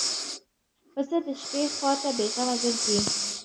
پسه د شپې خوا ته بېغمه ګرځي.